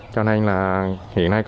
cho nên là hiện nay